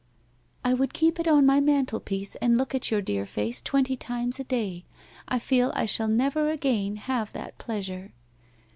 ' 7 would heep it on my mantelpiece and lool' on your dear face twenty times a day. I feel I shall never again have that pleasure.'